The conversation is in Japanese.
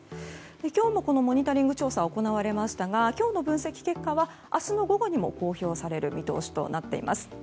今日もモニタリング調査が行われましたが今日の分析結果は明日の午後にも公表される見通しとなっています。